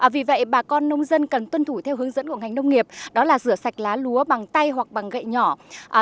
vì vậy bà con nông dân cần tuân thủ theo hướng dẫn của ngành nông nghiệp đó là rửa sạch lá lúa bằng tay hoặc bằng gậy nhỏ